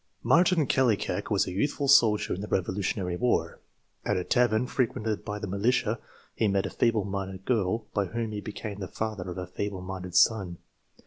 Martin Kallikak was a youthful soldier in the Revolutionary War. At a tavern frequented by the militia he met a feeble minded girl, by whom he became the father of a feeble minded son.